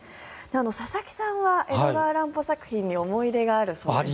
佐々木さんは江戸川乱歩作品に思い入れがあるそうですね。